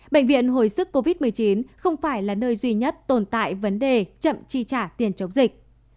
bệnh viện hồi sức covid một mươi chín không phải là nơi duy nhất tồn tại vấn đề chậm chi trả tiền chống dịch